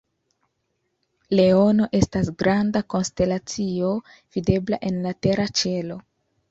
Leono estas granda konstelacio videbla en la tera ĉielo.